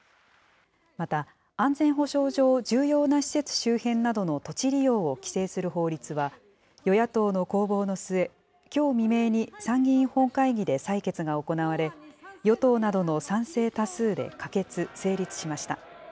また、安全保障上、重要な施設周辺などの土地利用を規制する法律は、与野党の攻防の末、きょう未明に参議院本会議で採決が行われ、与党などの賛成多数で可決・成立しました。